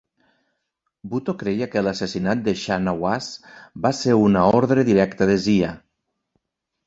Bhutto creia que l'assassinat de Shahnawaz va ser una ordre directa de Zia.